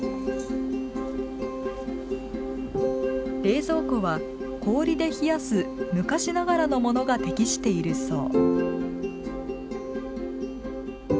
冷蔵庫は、氷で冷やす昔ながらのものが適しているそう。